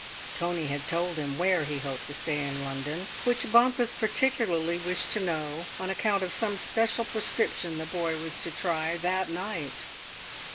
Tony had told him where he hoped to stay in London, which Bompas particularly wished to know on account of some special prescription the boy was to try that night.